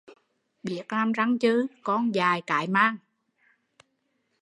Biết răng chừ, con dại cái mang